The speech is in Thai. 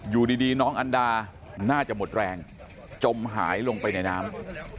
อยู่ดีน้องอันดาน่าจะหมดแรงจมหายลงไปในน้ำ